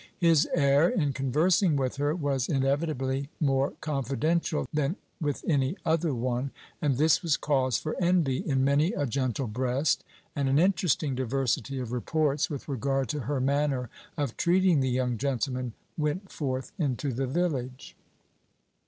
His air in conversing with her was inevitably more confidential than with any other one, and this was cause for envy in many a gentle breast, and an interesting diversity of reports with regard to her manner of treating the young gentleman went forth into the village.